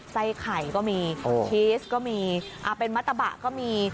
ไส้ไข่ก็มีชีสก็มีเป็นมัตตะบะก็มี